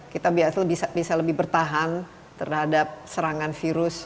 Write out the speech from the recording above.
kita bisa lebih bertahan terhadap serangan virus